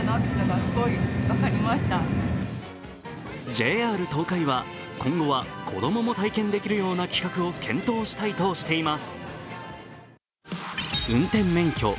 ＪＲ東海は、今後は子供も体験できるような企画を検討したいとしています。